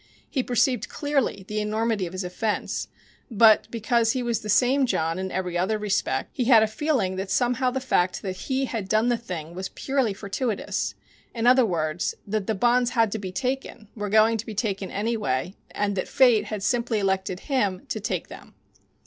He perceived clearly the enormity of his offense, but, because he was the same John in every other respect, he had a feeling that somehow the fact that he had done the thing was purely fortuitous in other words, that the bonds had to be taken, were going to be taken anyway, and that Fate had simply elected him to take them.